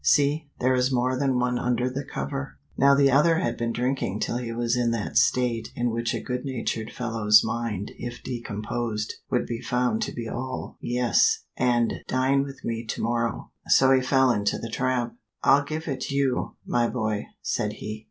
See there is more than one under the cover." Now the other had been drinking till he was in that state in which a good natured fellow's mind if decomposed would be found to be all "Yes," and "Dine with me to morrow," so he fell into the trap. "I'll give it you, my boy," said he.